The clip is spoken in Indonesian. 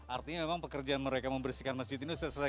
artinya memang pekerjaan mereka membersihkan masjid ini sudah selesai